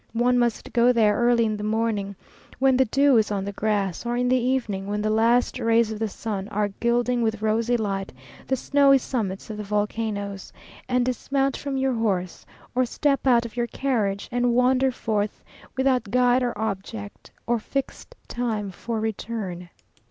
One must go there early in the morning, when the dew is on the grass, or in the evening, when the last rays of the sun are gilding with rosy light the snowy summits of the volcanoes; and dismount from your horse, or step out of your carriage and wander forth without guide or object, or fixed time for return.